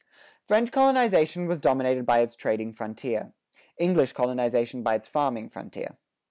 French colonization was dominated by its trading frontier; English colonization by its farming frontier.